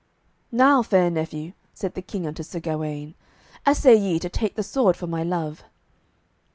"Now, fair nephew," said the King unto Sir Gawaine, "assay ye to take the sword for my love."